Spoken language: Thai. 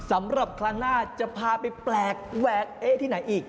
สำหรับครั้งหน้าจะพาไปแปลกแหวกเอ๊ะที่ไหนอีก